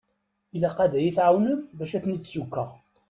Ilaq ad yi-tɛawnem bac ad ten-id-sukkseɣ.